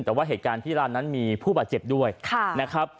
แต่ว่าเหตุการณ์ที่ร้านนั้นมีผู้บาดเจ็บด้วยนะครับ